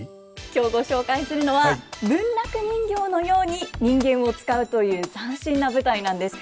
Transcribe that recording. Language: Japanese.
今日ご紹介するのは文楽人形のように人間を遣うという斬新な舞台なんです。